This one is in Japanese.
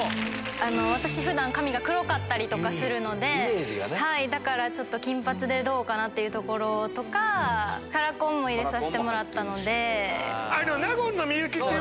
私普段髪が黒かったりするのでだから金髪でどうかな？というところとかカラコンも入れさせてもらったので。